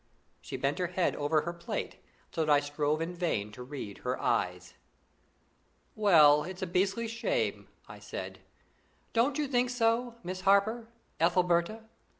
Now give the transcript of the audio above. She bent her head over her plate, so that I strove in vain to read her eyes. "Well, it's a beastly shame," I said. "Don't you think so, Miss Harper Ethelberta?